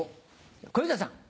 小遊三さん。